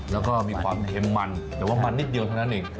แล้วก็มีความเค็มมันแต่ว่ามันนิดเดียวเท่านั้นเอง